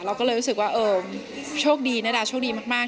เราก็เลยรู้สึกว่าเออโชคดีณดาโชคดีมาก